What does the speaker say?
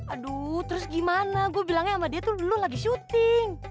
aduh terus gimana gue bilangnya sama dia tuh dulu lagi syuting